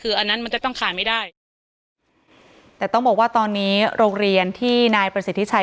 คืออันนั้นมันจะต้องขายไม่ได้แต่ต้องบอกว่าตอนนี้โรงเรียนที่นายประสิทธิชัย